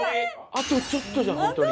あとちょっとじゃんホントに。